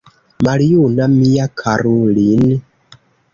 Maljuna mia karulin’!